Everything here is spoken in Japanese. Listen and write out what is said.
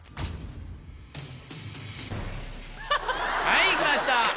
はい来ました。